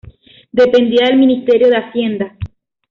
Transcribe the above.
Dependía del Ministerio de Hacienda.